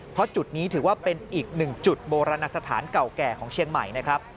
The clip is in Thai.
เพราะจุดนี้ถือว่าเป็นอีกหนึ่งจุดโบราณสถานเก่าแก่ของเชียงใหม่นะครับ